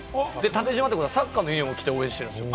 縦縞ということは、サッカーのユニホーム着て、応援してるんです。